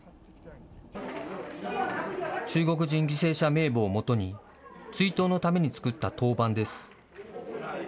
中国人犠牲者名簿をもとに追悼のために作った陶板です。